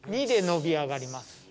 ２でのび上がります。